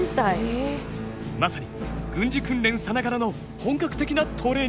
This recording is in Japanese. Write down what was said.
まさに軍事訓練さながらの本格的なトレーニング。